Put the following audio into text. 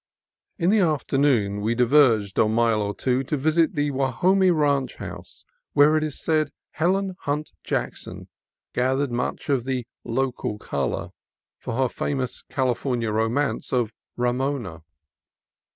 In the afternoon we diverged a mile or two to visit the Guajome Ranch House, where, it is said, Helen Hunt Jackson gathered much of the "local color " for her famous California romance of "Ramona."